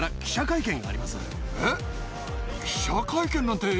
えっ！